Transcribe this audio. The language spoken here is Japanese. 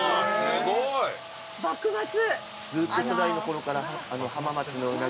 すごいな。